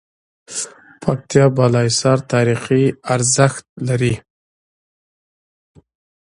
پکتيا بالاحصار تاريخي ارزښت لری